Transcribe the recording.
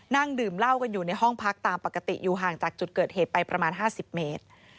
นั่งดื่มเหล้ากันอยู่ในห้องพักตามปกติอยู่ห่างจากจุดเกิดเหตุไปประมาณ๕๐เมตร